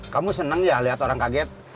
kamu senang ya lihat orang kaget